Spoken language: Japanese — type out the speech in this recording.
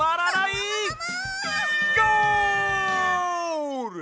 ゴール！